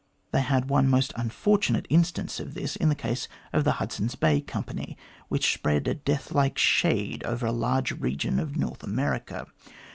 They had one most unfortunate in stance of this in the case of the Hudson's Bay Company, which spread a death like shade over a large region of North America.